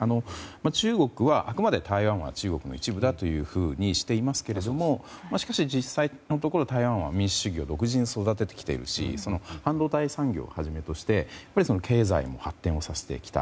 中国はあくまで、台湾が中国の一部だというふうにしていますがしかし、実際のところ台湾は民主主義を独自に育ててきているし半導体産業をはじめとしてやっぱり経済も発展させてきた。